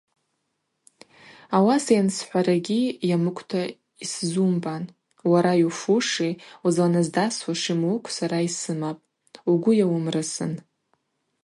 Ауаса йансхӏварагьи йамыкӏвта йсзумбан, уара йуфуши уызланаздасуаши млыкв сара йсымапӏ, угвы йауымрысын.